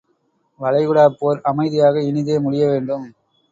வளைகுடாப் போர் அமைதியாக இனிதே முடியவேண்டும்.